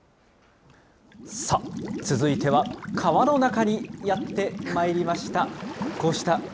さあ、続いては川の中にやってまいりました。